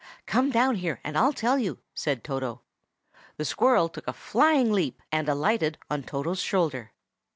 "Come down here, and I'll tell you," said Toto. The squirrel took a flying leap, and alighted on Toto's shoulder.